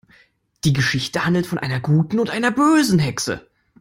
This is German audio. Die Geschichte handelt von einer guten und einer bösen Hexe.